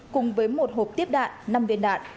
cùng với một hộp tiếp đạn năm viên đạn